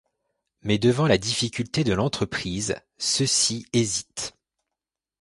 Mais devant la difficulté de l'entreprise, ceux-ci hésitent.